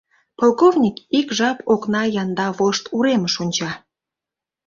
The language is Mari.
Полковник ик жап окна янда вошт уремыш онча.